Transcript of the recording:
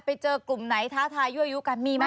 ไปเจอกลุ่มไหนท้าทายยั่วยุกันมีไหม